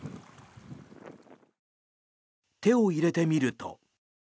手を入れてみると。